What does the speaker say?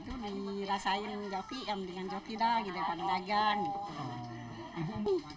lalu dirasain joki ya mendingan joki lah gitu pada dagang